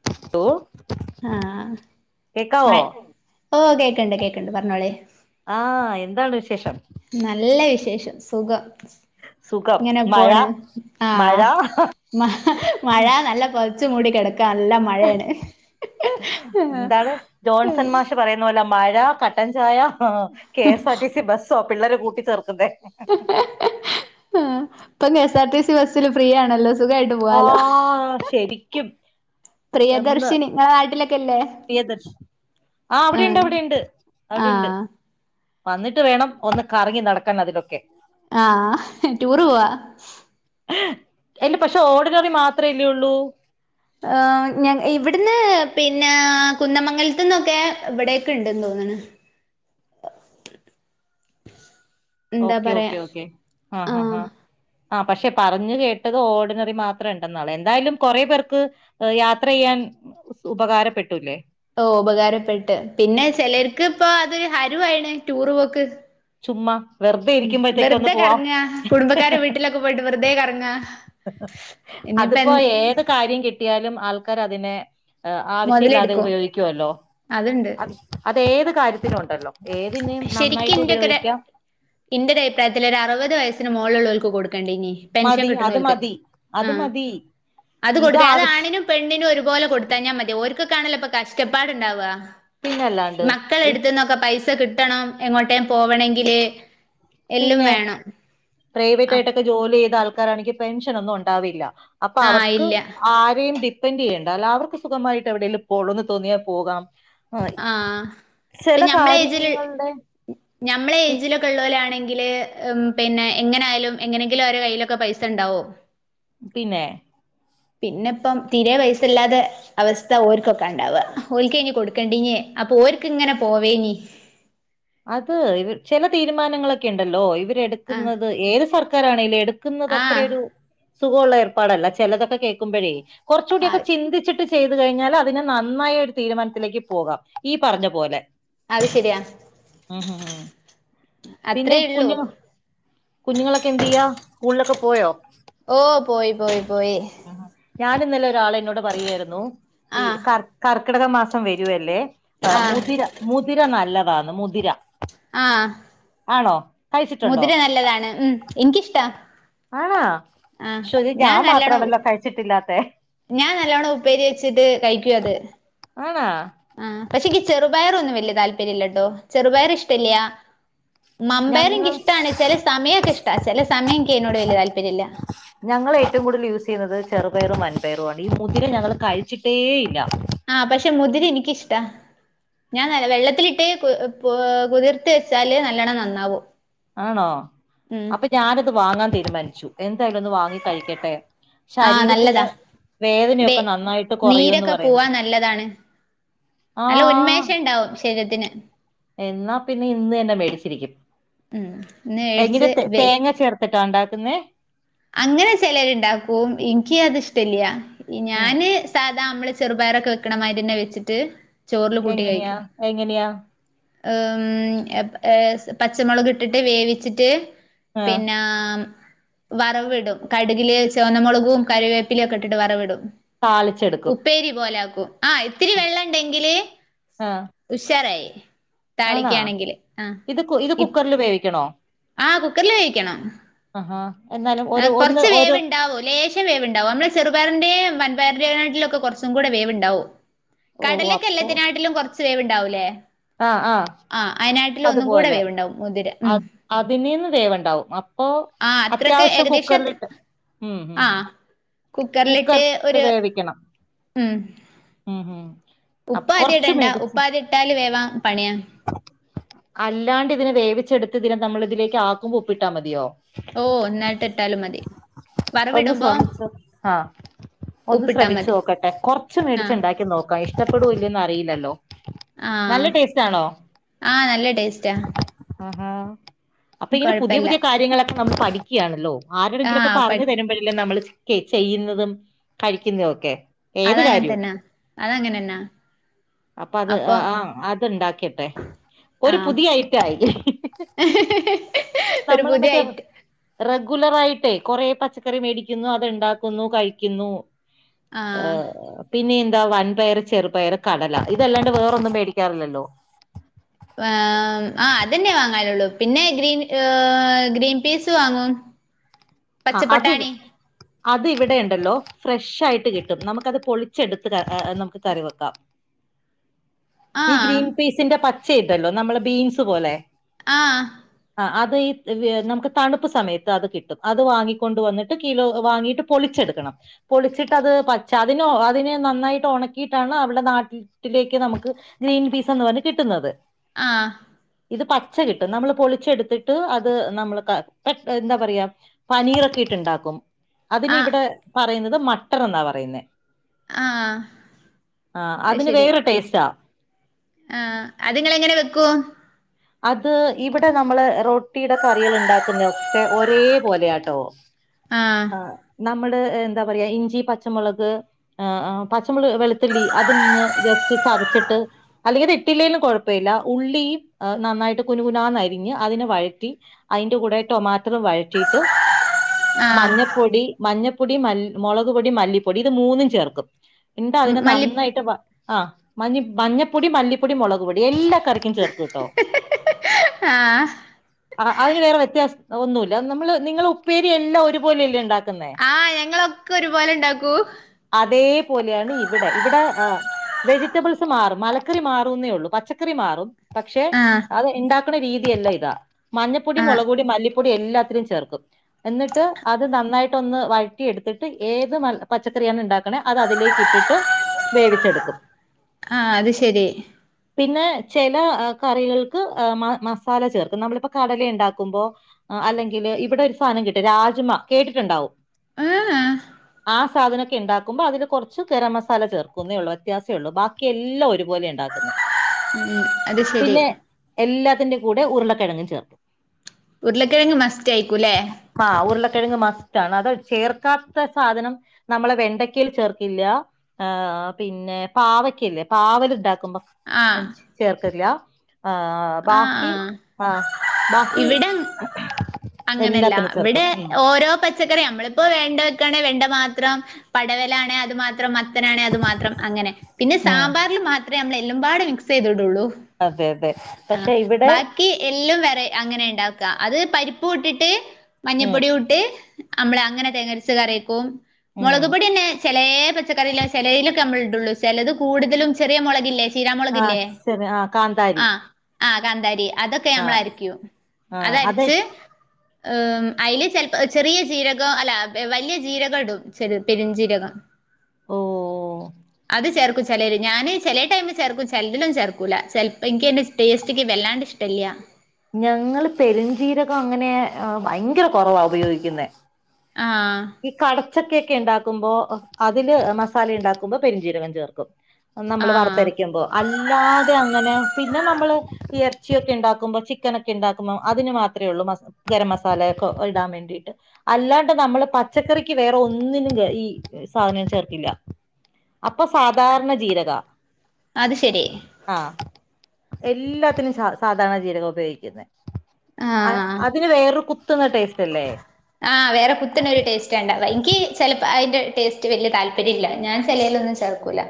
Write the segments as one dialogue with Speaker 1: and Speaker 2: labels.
Speaker 1: [unintelligible]
Speaker 2: ആഹ്
Speaker 1: കേക്കാവോ
Speaker 2: മഴ ഓ കേക്കണ്ട് കേക്കണ്ട് പറഞ്ഞോളെ
Speaker 1: ആഹ് എന്താണ് വിശേഷം?
Speaker 2: നല്ല വിശേഷം സുഖം
Speaker 1: സുഖം
Speaker 2: ഇങ്ങനെ
Speaker 1: മഴ
Speaker 2: പോണ്
Speaker 1: മഴ
Speaker 2: ആഹ് മ മഴ നല്ല പൊതിച്ചു മൂടിക്കിടക്ക നല്ല മഴയാണ്
Speaker 1: എന്താണ് ജോൺസൺ മാഷ് പറയുന്ന പോലെ മഴ കട്ടൻചായ ആഹ് K S R T C ബസ്സോ പിള്ളേര് കൂട്ടിച്ചേർക്കുന്നേ
Speaker 2: ആഅ ഇപ്പൊ നി എസ് ആർടി സി ബസ്സില് ഫ്രീ ആണല്ലോ? സുഖായിട്ട് പോവാലോ
Speaker 1: ആഹ് ശരിക്കും
Speaker 2: പ്രിയദർശിനി നിങ്ങള നാട്ടിലൊക്കെല്ലേ?
Speaker 1: ആഹ് അവിടെുണ്ട് അവിടെുണ്ട് അവിടെുണ്ട്
Speaker 2: ആഹ്
Speaker 1: വന്നിട്ട് വേണം ഒന്ന് കറങ്ങി നടക്കണം അതിലൊക്കെ-
Speaker 2: ആഹ് ടൂറ് പോവാ-
Speaker 1: അല്ല പക്ഷെ ഓർഡിനറി മാത്രമേല്ലേ ഉള്ളൂ?
Speaker 2: ആഹ് ഇവിടുന്ന് പിന്നെ കുന്നമംഗലത്തു നിന്നൊക്കെ ഇവിടെൊക്കെ ഉണ്ട്ന്ന് തോന്നണ്- എന്താ
Speaker 1: ഓക്കെ
Speaker 2: പറയാ
Speaker 1: ഓക്കെ ഓക്കെ ആഹ് ആഹ് ആഹ് ആഹ് പക്ഷെ പറഞ്ഞു കേട്ടത് ഓർഡിനറി മാത്രം ഉണ്ടെന്നള എന്തായാലും കുറെേ പേർക്ക് യാത്ര ചെയ്യാൻ ഉപകാരപ്പെട്ടുല്ലേ?
Speaker 2: ഓ ഉപകാരപ്പെട്ട് പിന്നെ ചിലർക്ക് ഇപ്പ അത് ഹരുവായിാണ് ടൂറ് പോക്ക്
Speaker 1: ചുമ്മാ വെറുതെ
Speaker 2: ഉം
Speaker 1: ഇരിക്കുമ്പോഴത്തേക്ക് ഒന്ന്
Speaker 2: വെറുതെ
Speaker 1: പോവാം
Speaker 2: കറങ്ങ കുടുംബക്കാരെ വീട്ടിലൊക്കെ പോയിട്ട് വെറുതെ കറങ്ങാ ഇനിയിപ്പ എ
Speaker 1: അതിപ്പോ ഏത് കാര്യം കിട്ടിയാലും ആൾക്കാർ അതിനെ ആവശ്യം ഇല്ലാതെ
Speaker 2: മുതലെടുക്കും
Speaker 1: ഉപയോഗിക്കുവല്ലോ
Speaker 2: അതുണ്ട്
Speaker 1: അത് അത ഏത് കാര്യത്തിനും ഉണ്ടല്ലോ ഏതിനെയും
Speaker 2: ശരിക്കും
Speaker 1: നന്നായിട്ട്
Speaker 2: ഇന്റെയൊക്കെ ഒരു
Speaker 1: ഉപയോഗിക്കാം-
Speaker 2: ഇന്റെ ഒരു അഭിപ്രായത്തില്ൽ അറുപത് വയസ്സിന് മുകളുള്ളവർക്ക് കൊടുക്കണ്ട ഇനി പെൻഷൻ
Speaker 1: മതി അത്
Speaker 2: കിട്ടുന്നവർക്ക്
Speaker 1: മതി അത്
Speaker 2: ആഹ്
Speaker 1: മതി
Speaker 2: അത്
Speaker 1: ഇത്
Speaker 2: കൊടുക്ക അതാണിനും പെണ്ണിനന് ഒരുപോലെ കൊത്താൻ ഞാൻ മതിഓർക്കെ കാണല്ലോപ്പൊ കഷ്ടപ്പാടു ഉണ്ടാവുക-
Speaker 1: ആവശ്യത്തിനല്ലാണ്ട്
Speaker 2: മക്കള
Speaker 1: ഇ-
Speaker 2: എടുത്തന്നൊക്കെ പൈസ കിട്ടണം എങ്ങോട്ടെ പോവണമെങ്കില് എല്ലാം വേണം- അപ്
Speaker 1: പ്രൈവറ്റയിട്ടൊക്കെ ജോലി ചെയ്ത ആൾക്കാരാണക്ക് പെൻഷനൊന്നും ഉണ്ടാവില്ല- അപ്പൊ
Speaker 2: ആഹ്
Speaker 1: അവർക്ക്
Speaker 2: ഇല്ല
Speaker 1: ആരെയും പെന്റെയ്യണ്ട എല്ല വർക്ക് സുഖമായിട്ട് എവിടെയെലും പോണോന്ന് തോന്നിയാപോകാം ആഹ്
Speaker 2: ഇപ്പ
Speaker 1: ചെല
Speaker 2: ഞമ്മളെ ഏജില്
Speaker 1: കാര്യങ്ങളുടെ
Speaker 2: ഞമ്മളെ ഏജിലൊക്കെള്ളോലാണെങ്കില് ഉം പിന്നെ എങ്ങനായാലും എങ്ങനെങ്കിലും ഒരെ കയ്യിലൊക്കെ പൈസ ണ്ടാവും
Speaker 1: പിന്നേ
Speaker 2: പിന്നെപ്പം തീരെ പെയ്സല്ലാതെ അവസ്ഥ ഓർക്കൊക്കെ ഉണ്ടാവ ഒൽക്കെയ്നി കൊടുക്കണ്ടിനെയ് അപ്പൊ ഓര്ക്ക് ഇങ്ങനെ പോവേനി
Speaker 1: അത് ഇവ ച്ചെല തീരുമാനങ്ങളൊക്കെ ണ്ടല്ലോ ഇവരെടു
Speaker 2: ആഹ്
Speaker 1: ക്ക്ന്നത് ഏത് സർക്കാറാണേലും എടുക്കുന്നത്
Speaker 2: ആഹ്
Speaker 1: അത്രൊരു സുഖവുള്ള ഏർപ്പാടല്ല ച്ചെലതൊക്കെ കേൾക്കുമ്പോഴേ കൊർച്ചുടിയൊക്കെ
Speaker 2: അത്
Speaker 1: ചിന്തിച്ചിട്ട് ചെയ്ത് കഴിഞ്ഞാൽ അതിന് നന്നായി ഒരു തീരുമാനത്തിലേക്ക് പോകാം ഈ പറഞ്ഞ പോലെ
Speaker 2: അത് ശരിയാ
Speaker 1: ഉം ഹും ഹും പിന്നെ
Speaker 2: അത്രേ ഇള്ളൂ
Speaker 1: കുഞ്ഞുങ്ങ കുഞ്ഞുങ്ങളൊക്കെ എന്ത് ചെയ്യാ സ്കൂളിലൊക്കെ പോയോ
Speaker 2: ഓ പോയി പോയി പോയി
Speaker 1: ഞാനി ഇന്നലെ ഒരാളെന്നോട് പറയുായിരുന്നു ഈ
Speaker 2: ആഹ്
Speaker 1: കർ കർക്കിടക മാസം വെരുവല്ലേ ആഹ് മുതിര മുതിര നല്ലതാന്ന് മുതിര
Speaker 2: ആഹ്
Speaker 1: ആണോ കഴിച്ചിട്ടുണ്ടോ
Speaker 2: മുതിര നല്ലതാണ് ഉം എനിക്കിഷ്ടാ
Speaker 1: ആണാ
Speaker 2: ആഹ്
Speaker 1: ഷോത് ഞാൻ
Speaker 2: നല്ലോണം
Speaker 1: മാത്രാണല്ലോ കഴിച്ചിട്ടില്ലാത്തെ
Speaker 2: ഞാൻ നല്ലോണം ഉപ്പേരി വെച്ചിട്ട് കഴിക്കു അത്
Speaker 1: ആണാ
Speaker 2: ആഹ് പക്ഷെക്ക് ചെറുപയറൊന്നും വല്യ താല്പര്യല്ലട്ടോ ചെറുപയർ ഇഷ്ട്ടല്ല മമ്പയർ എനിക്ക്
Speaker 1: ഞങ്ങൾ
Speaker 2: ഇഷ്ട്ടാണ് ചെല സമയൊക്കെ ഇഷ്ട്ട ചെലെ സമയം എനിക്കയിനോട് വല്യ താല്പര്യല്ല
Speaker 1: ഞങ്ങൾ ഏറ്റവും കൂടുതൽ യൂസ് ചെയ്യുന്നത് ചെറുപയറും മൻപയറും ആണ് ഈ മുതിര ഞങ്ങള് കഴിച്ചിട്ടേ ഇല്ല
Speaker 2: ആഹ് പക്ഷെ മുതിര എനിക്കിഷ്ട്ടാ ഞാൻ വെള്ളത്തിലിട്ട് കു പ് കുതിർത്തി വെച്ചാല് നല്ലണം നന്നാവും
Speaker 1: ആണോ
Speaker 2: ഉം
Speaker 1: അപ്പോ ഞാനത് വാങ്ങാൻ തീരുമാനിച്ചു എന്തായാലും ഒന്ന് വാങ്ങി കഴി ക്കെട്ടെ ശരീരത്തിന്റെ
Speaker 2: ടെ
Speaker 1: വേദനയൊക്കെ നന്നായിട്ട് കുറയൂന്ന്
Speaker 2: നീരൊക്കെ
Speaker 1: പറയുന്നു
Speaker 2: പോവാൻ നല്ലതാണ് നല്ല
Speaker 1: ആ
Speaker 2: ഉന്മേഷം ണ്ടാവും ശരീരത്തിന്
Speaker 1: എന്നാ പിന്നെ ഇന്ന് തന്നെ മേടിച്ചിരിക്കും
Speaker 2: ഉം ഇന്ന്
Speaker 1: എങ്ങനെ
Speaker 2: മേടിച്ച്
Speaker 1: തേ
Speaker 2: വെ
Speaker 1: തേങ്ങ ചേർത്തിട്ടാ ണ്ടാക്കുന്നെ
Speaker 2: അങ്ങനെ ചെലരര്ണ്ടാക്കും ഇനിക്ക് അത് ഇഷ്ട്ടല്യ
Speaker 1: ഉം
Speaker 2: ഞാന് സാത ത മ്മള് ചെറുപയറൊക്കെ വെക്കണമാരി തന്നെ വെച്ചിട്ട് ചോറില് കൂട്ടി
Speaker 1: എങ്ങനെയാ
Speaker 2: കഴിക്കും
Speaker 1: എങ്ങനെയാ
Speaker 2: എഹ് മ് എഹ് പച്ചമുളക് ഇട്ടിട്ട് വേവിച്ചിട്ട്
Speaker 1: ആ
Speaker 2: പിന്നാ വറവ്വിടും കടുകില് ചുവന്നമുളകും കരുവേപ്പില ഒക്കെ ഇട്ടിട്ട് വറവിടും
Speaker 1: താളിച്ചെടുക്കും
Speaker 2: ഉപ്പേരി പോലെ ആക്കും ആഹ് ഇത്തിരി വെള്ളം ണ്ടെങ്കില്
Speaker 1: ആഹ്
Speaker 2: ഉഷാറായി താളിക്കയാണെങ്കില് ആഹ്
Speaker 1: ല്ല് വേവിക്കണോ
Speaker 2: ആഹ് കുക്കർല് വേവിക്കണം
Speaker 1: അഹാ
Speaker 2: എഹ് കൊർച്ച് വേവ് ണ്ടാവും ലേ ശം വേവുണ്ടാവും നമ്മൾ ചെറുപയറിന്റെയും വൻപയറിന്റെ നുക്കാട്ടിലൊക്കെ കൊർച്ചും കൂടെ വേവ്ണ്ടാവും
Speaker 1: ഓ
Speaker 2: കടലക്കെല്ലാത്തിനാട്ടിലും കൊർച്ച് വേവ് ണ്ടാവൂലേ
Speaker 1: ആഹ് ആഹ് അത്പോലെ
Speaker 2: വേവ്ണ്ടാവും മുതിര ഉം
Speaker 1: അതിനീന്ന് വേവുണ്ടാവും അപ്പോ
Speaker 2: ആഹ് അത്രക്ക്
Speaker 1: അത്യാവശ്യം
Speaker 2: ഏകദേശം അത്ര
Speaker 1: കുക്കറിലിട്ട് ഉം ഉം
Speaker 2: ആഹ്
Speaker 1: കുക്കറിലിട്ട് വേവിക്കണം
Speaker 2: ഉം
Speaker 1: ഉം ഉം അ
Speaker 2: ഉപ്പ് അദ്യം
Speaker 1: കൊറച്ച്
Speaker 2: ഇടേണ്ടാ
Speaker 1: മേടിച്ച്
Speaker 2: ഉപ്പാ ആദ്യം ഇട്ടാൽ വേവാം പണിയ
Speaker 1: അല്ലാണ്ട് ഇതിനെ വേവിച്ചെടുത്ത് ഇതിനെ നമ്മൾ ഇതിലേക്ക് ആക്കുമ്പോ ഉപ്പിട്ടാ മതിയോ
Speaker 2: ഓഹ് ഒന്നായിട്ട് ഇട്ടാലും മതി
Speaker 1: ഒന്ന്
Speaker 2: വറവിടുമ്പോ
Speaker 1: ശ്രമിച്ചോ ആഹ് ഒന്ന്
Speaker 2: ഉപ്പിട്ടാ
Speaker 1: ശ്രമിച്ചു
Speaker 2: മതി
Speaker 1: നോക്കട്ടെ കൊറച്ച്
Speaker 2: ആഹ്
Speaker 1: മേടിച്ചുണ്ടാക്കി നോക്കാം ഇഷ്ടപ്പെടൂല്ലെയന്ന് അറിയില്ലല്ലോ
Speaker 2: ആഹ്
Speaker 1: ഇഷ്ട്ടാണോ
Speaker 2: ആഹ് നല്ല ടേസ്റ്റാ
Speaker 1: ആഹ് ആഹ് അപ്പോ ഇങ്ങനെ പുതിയ
Speaker 2: കൊഴപ്പല്ല
Speaker 1: പുതിയ കാര്യങ്ങളൊ നമ്മൾ പഠിക്കുകണല്ലോ ആരുടെങ്കിലൊക്കെ
Speaker 2: ആഹ് പ
Speaker 1: പറഞ്ഞു തരുമ്പോഴല്ലേ നമ്മള് ചെയ് ചെയ്യുന്നതും കഴിക്കുന്നതും ഒക്കെ ഏത്
Speaker 2: അതങ്ങനെ
Speaker 1: കാര്യവും
Speaker 2: തന്നാ അതങ്ങനെന്നാ
Speaker 1: അപ്പ അത് ആ
Speaker 2: അപ്പം
Speaker 1: ആഹ് അത് ഉണ്ടാക്കിയട്ടെ ഒരു
Speaker 2: ആഹ്
Speaker 1: പുതിയ ഐറ്റായി
Speaker 2: [unintelligible] ഒരു
Speaker 1: നമ്മള
Speaker 2: പുതിയ
Speaker 1: മറ്റാ
Speaker 2: ഐറ്റ്
Speaker 1: റെഗുലർ ആയിട്ടെയ് കൊറെേ പച്ചക്കറി മേടിക്കുന്നു അത്ണ്ടാക്കുന്നു കഴിക്കുന്നു ആഹ് പിന്നെ എന്താ വൻപയർ ചെറുപയർ കടല ഇതല്ലാണ്ട് വേറൊന്നും മേടിക്കാറില്ലല്ലോ?
Speaker 2: ആഹ് ആഹ് അതന്നെ വാങ്ങാലുള്ളൂ പിന്നെ ഗ്രീൻ ഗ്രീൻ പീസ് വാങ്ങും
Speaker 1: ആഹ് അതിൽ
Speaker 2: പച്ചപ്പട്ടാണി
Speaker 1: അത് ഇവിടെ ഉണ്ടല്ലോ ഫ്രഷ് ആയിട്ട് കിട്ടും നമുക്കത് പൊളിച്ചെടുത്ത് നമുക്ക് കറി വെക്കാ ഈ
Speaker 2: ആഹ്
Speaker 1: ഗ്രീൻ പീസിന്റെ പച്ച ഇണ്ടല്ലോ നമ്മളെ ബീൻസ് പോലെ
Speaker 2: ആഹ്
Speaker 1: ആഹ് അത് ഈ നമുക്ക് തണുപ്പ് സമയത്ത് അത് കിട്ടും അത് വാങ്ങിക്കൊണ്ട് വന്നിട്ട് കിലോ വാങ്ങീട്ട് പൊളിച്ചെടുക്കണം പൊളിച്ചിട്ട് അത് പച്ച അതിന് അതിനെ നന്നായിട്ട് ഉണക്കിയിട്ടാണ് അവിടെ നാട്ടിൽ ട്ടിലേക്ക് നമ്മുക്ക് ഗ്രീൻ പീസ് ആന്ന് പറഞ്ഞ് കിട്ടുന്നത്
Speaker 2: ആഹ്
Speaker 1: ഇത് പച്ച കിട്ടും നമ്മള് പൊളിച്ചെടുത്തിട്ട് അത് നമ്മള് ക എന്താ പറയാ പനീറൊക്കെ ഇട്ടുണ്ടാക്കും അതിന്
Speaker 2: ആഹ്
Speaker 1: ഇവിടെ പറയുന്നത് മട്ടർന്നാ പറയുന്നെ
Speaker 2: ആഹ് അയ്
Speaker 1: അതിന്
Speaker 2: ശരി
Speaker 1: വേറെ ടേസ്റ്റാ
Speaker 2: ആഹ് അത് ഇങ്ങൾ എങ്ങനെ വെക്കും
Speaker 1: അത് ഇവിടെ നമ്മള് റൊ ട്ടിയുടെ കറികൾ ഉണ്ടാക്കുന്നയൊക്കെ ഒരേ പോലെയാട്ടോ ആഹ് നമ്മള് എന്താ പറയാ ഇഞ്ചി പച്ചമുളക് ആഹ് ആഹ് പച്ചമുളക് വെളുത്തുള്ളി അതൊന്ന് ജസ്റ്റ് ചതച്ചിട്ട് അല്ലെങ്കിൽ അത് ഇട്ടില്ലേലും കുഴപ്പവില്ല ഉള്ളി ത് നന്നായിട്ട് കുനുകുനാന്നരിഞ്ഞ് അതിനെ വഴറ്റി അതിന്റെ കൂടെ ടൊമാ റ്ററ് വഴറ്റിയിട്ട്
Speaker 2: ആഹ്
Speaker 1: മഞ്ഞപ്പൊടി മഞ്ഞ പൊടി മുളക് പൊടി മല്ലിപ്പൊടി ഇത് മൂന്നും ചേർക്കും എന്നിട്ട് അതിനെ
Speaker 2: മല്ലി
Speaker 1: നന്നായിട്ട് ആഹ് മഞ്ഞ മഞ്ഞപ്പൊടി മല്ലിപ്പൊടി മുളക്പൊടി എല്ലാ കറി കേട്ടോ
Speaker 2: ആഹ്
Speaker 1: ആഹ് അതിന് വേറെ വ്യത്യാസം ഒന്നുമില്ല നമ്മള് നിങ്ങള് ഉപ്പേരി എല്ലാം ഒരുപോലെയല്ലേ ഉണ്ടാക്ക
Speaker 2: ആഹ് ഞങ്ങളൊക്കെ ഒരുപോലെ ഉണ്ടാക്കും
Speaker 1: അതേപോലെയാണ് ഇവിടെ ഇവിടെ ആഹ് വെജിറ്റബിൾസ് മാറും മലക്കറി മാറൂന്നേയുള്ളൂ പച്ചക്കറി മാറും പക്ഷേ
Speaker 2: ആഹ്
Speaker 1: അത് ഇണ്ടാക്കണ രീതിയെല്ലാം ഇതാ മഞ്ഞപ്പൊടി
Speaker 2: ആഹ്
Speaker 1: മുളക്പൊടി മല്ലിപ്പ പൊടി എല്ലാത്തിനും ചേർക്കും എന്നിട്ട് അത് നന്നായിട്ടൊന്ന് വഴറ്റി എടുത്തിട്ട് ഏത് പച്ചക്കറിയാണ് ഉണ്ടാക്കണേ അത് അതിലേക്ക് ഇ ട്ടിട്ട് വേവിച്ചെടുക്കും
Speaker 2: ആഹ് അത് ശരി
Speaker 1: പിന്നെ ചെ ലാ കറികൾക്ക് മ മസാല ചേർക്കും നമ്മളിപ്പോ കടല ഇണ്ടാക്കുമ്പോ അല്ലെങ്കില് ഇവടെ ഒരു സാനം കിട്ടും രാജ്മ കേട്ടിട്ടുണ്ടാവും
Speaker 2: ആഹ്
Speaker 1: ആ സ് സാധനൊക്കെ ഇണ്ടാക്കുമ്പോ അതില് കൊറച്ച് ഗരം മസാല ചേർക്കൂന്നേ ഒള്ളൂ വ്യത്യാസേള്ളൂ ബാക്കിയെല്ലാം ഒരുപോലെയാ ഇണ്ടാക്ക്ന്നെ
Speaker 2: ഉം അത് ശെ
Speaker 1: പിന്നെ എല്ലാത്തിന്റെ കൂടെ ഉരുളക്കിഴങ്ങ് ചേർക്കും
Speaker 2: ഉരുളക്കിഴങ്ങ് മസ്റ്റായിരിക്കും ലേ
Speaker 1: ആഹ് ഉർളക്കിഴങ്ങ് മസ്റ്റാണ് അത് ചേർക്കാത്ത സാധനം നമ്മളെ വെണ്ടയ്ക്കയിൽ ചേർക്കില്ല ഏ പിന്നെ പാവയ്ക്കയില്ലേ പാവൽ ഇണ്ടാക്കുമ്പം
Speaker 2: ആഹ്
Speaker 1: ചേർക്കില്ല ഏ
Speaker 2: ആഹ്
Speaker 1: ബാക്കി
Speaker 2: ആഹ്
Speaker 1: ആഹ് ബാക്കി
Speaker 2: ഇവിടെ അങ്ങനല്ല
Speaker 1: എല്ലാത്തിനും
Speaker 2: ഇവടെ
Speaker 1: ചേർക്കും ഉം
Speaker 2: ഓരോ പ ച്ചക്കറി നമ്മളിപ്പോ വെണ്ട വെക്കാണേൽ വെണ്ട മാത്രം പടവലം ആണെ അത് മാത്രം മ ത്തനാണേ അത് മാത്രം അങ്ങനെ പിന്നെ
Speaker 1: ഉം
Speaker 2: സാമ്പാറിൽ മാത്രേ നമ്മള് എല്ലുപാടെ മിക്സെയ്തിടോള്ളൂ
Speaker 1: അതെ അതെ പക്ഷെ ഇവിടെ
Speaker 2: ഇക്കി എല്ലാം വേറെ അങ്ങനെ ഇണ്ടാക്ക അത് പരിപ്പും ഇട്ടിട്ട്
Speaker 1: ഉം
Speaker 2: മഞ്ഞപ്പൊടി ഇട്ട് അമ്മള് അങ്ങനെ തേങ്ങരച്ച് കറിയെക്കും
Speaker 1: ഉം
Speaker 2: മൊളക് പൊടിന്നെ ചെലേ പച്ചക്കറിയില് ചെലേയിലൊക്കെ നമ്മൾ ഇടൊള്ളു ചെലത് കൂടുതലും ചെറിയ മൊളകില്ലേ
Speaker 1: ആ
Speaker 2: ചീരാമൊളകില്ലേ
Speaker 1: ശരി ആ കാന്താരി
Speaker 2: ആഹ് ആഹ് കാന്താരി അതൊക്കെ
Speaker 1: ആ
Speaker 2: നമ്മള് അരക്ക്യും
Speaker 1: ആഹ് അതെ
Speaker 2: അതരച്ച് ഏം അയ്ല് ചെലപ്പോ ചെറിയ ജീരകം അല്ല വല്ല്യ ജീരകടും ചെല് പെര്ഞ്ചീരകം.
Speaker 1: ഓ
Speaker 2: അത് ചേർക്കു ചെ ചെലേല് ഞാന് ചെലെ ടൈമില് ചേർക്കും ചെല്തിലൊന്നും ചേർക്കൂല ചെല്പ്പ ഇന്ക്കയിന്റെ ടേസ്റ്റ്ക്ക് വല്ലാണ്ടഷ്ടല്ലൃ.
Speaker 1: ഞങ്ങള് പെരുഞ്ചീരകങ്ങനെ ഭയങ്കര കൊറവാ ഉപയോഗിക്കുന്നെ.
Speaker 2: ആഹ്
Speaker 1: ഈ കടച്ചക്കയൊക്കെ ഇണ്ടാക്കുമ്പോ അതില് മസാല ഇണ്ടാക്കുമ്പോ പെരുംജീരകം ചേർക്കും
Speaker 2: ആ
Speaker 1: ഒന്നമ്മള് വർത്തരയ്ക്കുമ്പോ. അല്ലാതെ അങ്ങനെ പിന്നെ നമ്മള് എർച്ചിയൊക്കെ ഇണ്ടാക്കുമ്പോ ചിക്കനൊക്കെണ്ടാക്കുമ്പോ അതിന് മാ ത്രേയൊള്ളൂ മ ഗര മസാലയൊക്കെ ഇടാൻ വേണ്ടീട്ട് അല്ലാണ്ട് നമ്മള് പ ച്ചക്കറിക്ക് വേറൊന്നിനു ഈ സാധനം ചേർക്കില്ല. അപ്പൊ സാധാരണ ജീരകാ.
Speaker 2: അത് ശെരി
Speaker 1: ആഹ് എല്ലാത്തിലും സ സാധാരണ ജീരകാപയോഗിക്കുന്നെ. ആഹ് അതിന് വേറൊരു കുത്ത്ന്ന ടേസ്
Speaker 2: ആഹ് വേറെ കുത്ത്ണോരു ടേസ് ക്കെണ്ട ഇൻക്കി ചെൽപ്പ അയിന്റെ ടേസ്റ്റ് വല്യ താല്പര്യല്ല ഞാൻ ചെലെയിലെന്നും ചേർക്കൂല.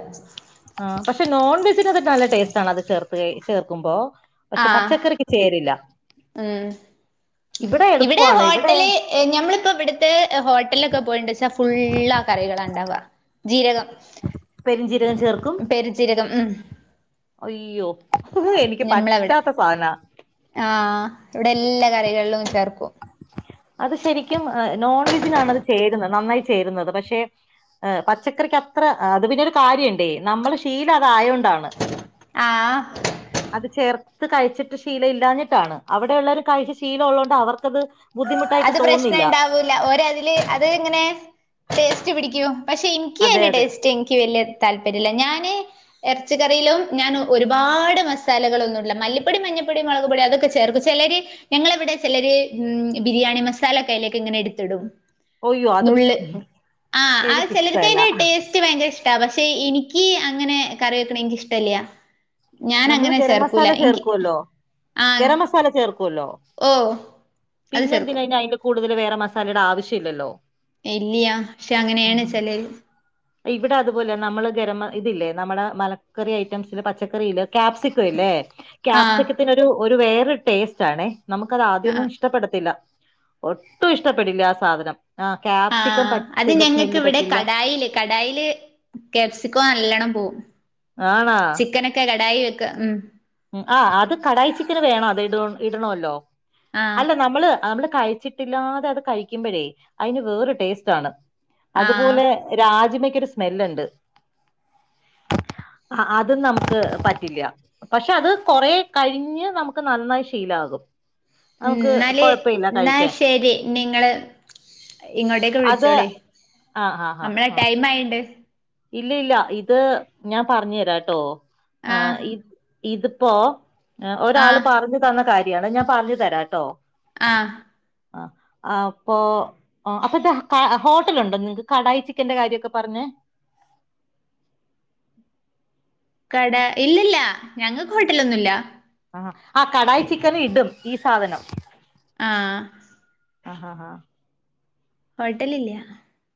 Speaker 1: ആഹ് പക്ഷേ നോൺ വെജിനൊക്കെ നല്ല ടേസ്റ്റാണ് അത് ചേർത്തഴി ചേർക്കുമ്പോ പക്ഷെ
Speaker 2: ആ
Speaker 1: പച്ചക്കറിക്ക് ചേരില്ല
Speaker 2: ഉം
Speaker 1: ഇവിടെ എളുപ്പാണ് ഇവിടെ
Speaker 2: ഏ ഞമ്മളിപ്പവിട്ത്തെ ഹോട്ടൽലൊക്കെ പോയിണ്ടെച്ചാ ഫുള്ളാ കറികളാണ്ടാവാ ജീരകം.
Speaker 1: പെര് ജീരകം ചേർക്കും.
Speaker 2: ജീരകം ഉം
Speaker 1: അയ്യോ എനിക്ക്
Speaker 2: ഞമ്മളവിടെ
Speaker 1: പറ്റാത്ത സാധനാ
Speaker 2: ആഹ് ഇവിടെല്ലാ കറികള്ലും ചേർക്കും.
Speaker 1: അത് ശരിക്കും നോൺവെജിനാണ് അത് ചേരുന്നെ നന്നായി ചേരുന്നത് പക്ഷെ ഏഹ് പച്ചക്കറിക്കത്ര അത് പിന്നോരു കാര്യണ്ടേ നമ്മളെ ശീലതായൊണ്ടാണ്.
Speaker 2: ആഹ്
Speaker 1: അത് ചേർത്ത് കഴിച്ചിട്ട് ശീലല്ലാഞ്ഞിട്ടാണ് അവിടെയുള്ളേര് കഴിച്ച് ശീലള്ളോണ്ട് അവർക്കത് ബുദ്ധിമുട്ടായിട്ട്
Speaker 2: അത്
Speaker 1: തോന്നില്ല
Speaker 2: പ്രശ്നണ്ടാവൂല ഓരതില് അത്ങ്ങനെ ടേസ്റ്റ് പിടിക്കും. പക്ഷെ ഇൻക്കി
Speaker 1: അതെ
Speaker 2: അയിന്റെ
Speaker 1: അതെ
Speaker 2: ടേസ്റ്റ് ഇൻക്ക് വല്യ താൽപര്യല്ല്യ ഞാന്. എർച്ചി കറീലും ഞാൻ ഒരുപാട് മസാലകളൊന്നുടൂല. മല്ലിപ്പൊടി, മഞ്ഞപ്പൊടി, മളക്പൊടി, അതൊക്കെ ചേർക്കും. ചെലര് ഞങ്ങളവിടെ ചെലര് ഉം ബിരിയാണി മസാല ഒക്കെ അയിലേക്ക്ങ്ങനെ എടുത്തിടും.
Speaker 1: ഒയ്യോ
Speaker 2: ന്നുള്ള്.
Speaker 1: അത്
Speaker 2: ആഹ് ആഹ്
Speaker 1: എനിക്കിഷ്ടല്ല
Speaker 2: ചെലർക്കതിന്റെ ടേസ് റ്റ് ഭയങ്കര ഇഷ്ടാ. പക്ഷേ എനിക്ക് അങ്ങനെ കറി വെക്ക്ണ എനിക്കിഷ്ടല്ല്യാ
Speaker 1: നമ്മള് ഗരംമസാല ചേർക്കുവല്ലോ.
Speaker 2: ആ
Speaker 1: ഗരമസാല ചേർക്കുവല്ലോ.
Speaker 2: ഓ അത്
Speaker 1: പിന്നെന്തിനാ?
Speaker 2: ചേർക്കും.
Speaker 1: അയിന്റെ അയിന്റെ കൂടുതല് വേറ മസാലയുടെ ആവശ്യല്ല്യല്ലോ.
Speaker 2: ഇല്ല്യാ ക്ഷേ അങ്ങനേണ് ചെലെര്
Speaker 1: ഇവിടെ അതുപോലെ നമ്മള് ഗരമ ഇതില്ലേ നമ്മട മലക്കറി ഐറ്റംസില് പച്ചക്കറിയില് ക്യാപ്‌സി ക്കാവില്ലേ?
Speaker 2: ആ
Speaker 1: ക്യാപ്സിക്കത്തിനെരു ഒരു വേറെ ടേസ്റ്റാണേ.
Speaker 2: ആ
Speaker 1: നമുക്കതാദ്യന്നു ഇഷ്ട ടപ്പെടത്തില്ല. ഒട്ടും ഇഷ്ടപ്പെടില്ല ആ സാധനം. ആഹ്
Speaker 2: ആ
Speaker 1: ക്യാപ്സിക്കം
Speaker 2: അത്
Speaker 1: പച്ചന്റെ
Speaker 2: ഞങ്ങക്ക്
Speaker 1: സ്മെല്ല്
Speaker 2: ഇവിടെ
Speaker 1: പറ്റില്ല.
Speaker 2: കടായില് കടായില് ക്യാപ്സിക്കോ നല്ലണം പൂവും
Speaker 1: ആണാ
Speaker 2: ചിക്കനൊക്ക ക്കെ കടായി വെക്കാ ഉം.
Speaker 1: ഉം ആഹ് അത് കടായിച്ചിക്കന് വേണം അത് ഇടോ ഇടണോല്ലോ.
Speaker 2: ആ
Speaker 1: അല്ല നമ്മള് നമ്മള് കഴിച്ചി ച്ചിട്ട്‌ല്ലാതെ അത് കഴിക്കുമ്പഴേ. അയിന് വേറെ ടേസ്റ്റാണ്.
Speaker 2: ആ
Speaker 1: അതുപോലെ. രാജമക്കൊരു സ്മെല്ല്ണ്ട്. അഹ് അത് നമ്ക്ക് പറ്റില്ല്യ പക്ഷേ അത് കൊറെ കഴിഞ്ഞ് നമുക്ക് നന്നായി ശീലാകും. നമുക്ക്
Speaker 2: ന്നാല്
Speaker 1: കൊഴപ്പമില്ല
Speaker 2: ന്നാ
Speaker 1: കഴിക്കാൻ
Speaker 2: ശെരി ഞ്ഞി ങ്ങള്. ഇങ്ങോട്ടേക്ക്
Speaker 1: അത്
Speaker 2: വിളിച്ചോളിം
Speaker 1: ആഹ് ആഹ് ആഹ്
Speaker 2: അമ്മളെ
Speaker 1: ആഹ്
Speaker 2: ടൈമ് ആയ്ണ്ട്.
Speaker 1: ഇല്ല ഇല്ല ഇത് ഞാ പറഞ്ഞെരാട്ടോ
Speaker 2: ആ
Speaker 1: ആഹ് ഇ ഇത്പ്പോ
Speaker 2: ആ
Speaker 1: ഒരാള് പറഞ്ഞു തന്ന കാര്യാണ്. ഞാൻ പറഞ്ഞു തരാട്ടോ.
Speaker 2: ആഹ്
Speaker 1: ആഹ് അപ്പോ ആഹ് അപ്പോന്താ ക ഹോട്ടലുണ്ടോ നിങ്ങക്ക് കടായി ചിക്കന്റെ കാര്യൊക്കെ പറഞ്ഞെ?
Speaker 2: കടാ ഇല്ലില്ല ഞങ്ങക്ക് ഹോട്ടലൊന്നുല്ല
Speaker 1: ആഹ ആഹ് കടായി ചിക്കന് ഇടും ഈ സാധനം
Speaker 2: ആഹ്
Speaker 1: ആ ആഹ് ആഹ്
Speaker 2: ഓട്ടലില്ല്യ